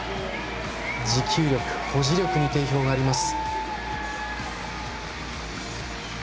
持久力、保持力に定評があります。